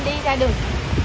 đi ra đường